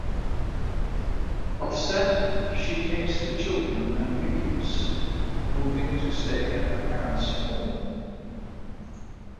Upset, she takes the children and leaves, moving to stay at her parents' home.